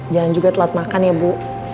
jangan juga telat makan ya bu